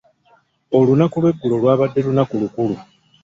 Olunaku lw'eggulo lwabadde lunaku lukulu.